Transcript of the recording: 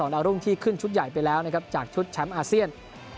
ดาวรุ่งที่ขึ้นชุดใหญ่ไปแล้วนะครับจากชุดแชมป์อาเซียน